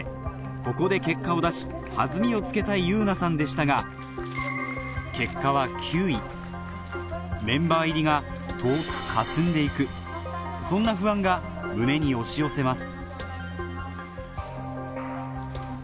ここで結果を出し弾みをつけたい優奈さんでしたが結果は９位メンバー入りが遠くかすんで行くそんな不安が胸に押し寄せます